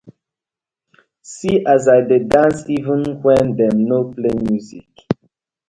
See as I dey dance even wen dem no play music.